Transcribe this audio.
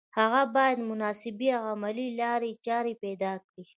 هغه بايد مناسبې او عملي لارې چارې پيدا کړي.